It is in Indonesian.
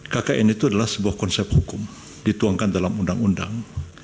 kkn itu adalah sebuah konsep hukum dituangkan dalam undang undang